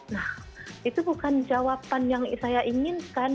nah itu bukan jawaban yang saya inginkan